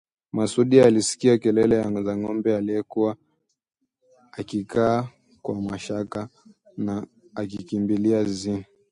Masudi alisikia kelele za ng'ombe aliyekuwa akikamwa na Mashaka na akakimbilia zizini